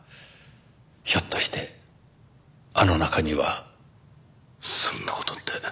ひょっとしてあの中には。そんな事って。